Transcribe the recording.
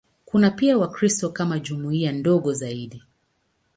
Kuna pia Wakristo kama jumuiya ndogo zaidi.